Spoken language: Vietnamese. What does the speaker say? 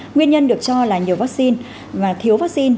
nguyên nhân được cho là nhiều vaccine và thiếu vaccine